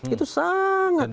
itu sangat runtut